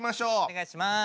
お願いします。